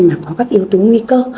mà có các yếu tố nguy cơ